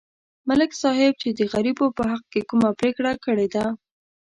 ملک صاحب چې د غریبو په حق کې کومه پرېکړه کړې ده